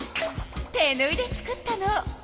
手ぬいで作ったの。